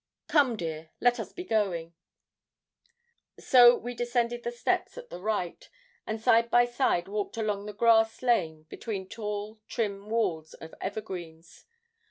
Come, dear; let us be going.' So we descended the steps at the right, and side by side walked along the grass lane between tall trim walls of evergreens.